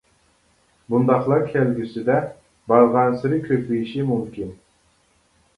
بۇنداقلار كەلگۈسىدە بارغانسېرى كۆپىيىشى مۇمكىن.